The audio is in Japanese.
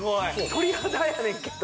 鳥肌やねんけど